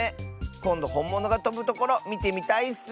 こんどほんものがとぶところみてみたいッス。